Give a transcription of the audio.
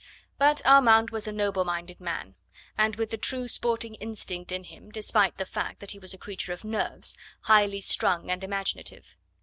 But Armand was a noble minded man, and with the true sporting instinct in him, despite the fact that he was a creature of nerves, highly strung and imaginative.